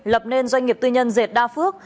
lập nên doanh nghiệp tư nhân dệt đa phước